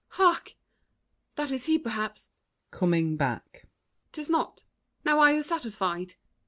Hark! that is he perhaps. [Coming back.] 'Tis not. Now are you satisfied?